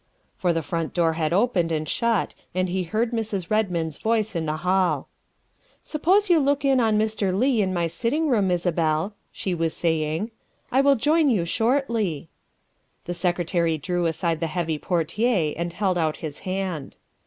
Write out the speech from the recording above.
For the front door had opened and shut and he heard Mrs. Redmond's voice in the hall. " Suppose you look in on Mr. Leigh in my sitting room, Isabel," she was saying; " I will join you shortly." The Secretary drew aside the heavy portiere and held out his hand.